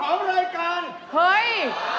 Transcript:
โปรดติดตามต่อไป